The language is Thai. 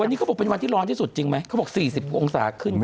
วันนี้เขาบอกเป็นวันที่ร้อนที่สุดจริงไหมเขาบอก๔๐องศาขึ้น